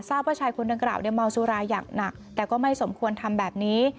ว่าชายคนดังกล่าวเนี่ยเมาสุราอย่างหนักแต่ก็ไม่สมควรทำแบบนี้